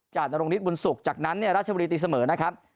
นรงฤทธบุญสุขจากนั้นเนี่ยราชบุรีตีเสมอนะครับ